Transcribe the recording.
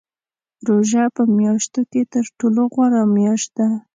روژه په میاشتو کې تر ټولو غوره میاشت ده .